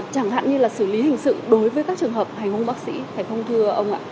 chẳng hạn như là xử lý hình sự đối với các trường hợp hành hôn bác sĩ thầy phong thưa ông ạ